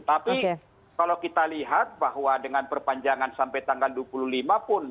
tapi kalau kita lihat bahwa dengan perpanjangan sampai tanggal dua puluh lima pun